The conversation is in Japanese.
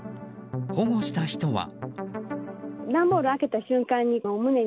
保護した人は。